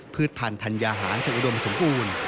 พันธัญญาหารจะอุดมสมบูรณ์